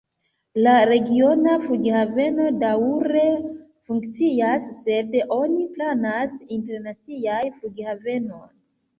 La regiona flughaveno daŭre funkcias, sed oni planas internacian flughavenon.